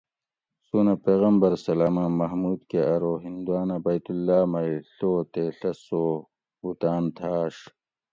سونہ پیغمبرصلعم محمود کہ ارو ھندوانہ بیت اللّٰہ مئ ڷو تے ڷہ سو بُتاۤن تھاۤش